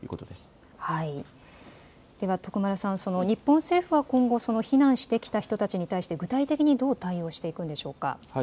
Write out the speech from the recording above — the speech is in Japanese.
では、徳丸さん日本政府は今後避難してきた人たちに対して具体的にどう対応していくんでしょうか。